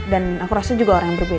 dan aku rasa juga orang yang berbeda